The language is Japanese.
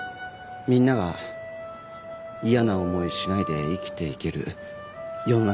みんなが嫌な思いしないで生きていける世の中にしたいなって。